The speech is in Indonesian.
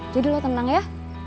jadi lu tenang ya